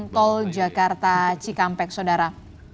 tol jakarta cikampek saudara